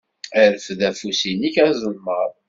Rfed afus-nnek azelmaḍ.